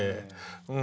うん。